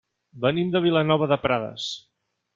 Venim de Vilanova de Prades.